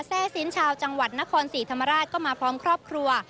แร่สินชาวจังหวัดนครศรีธรรมราชก็มาพร้อมครอบครัว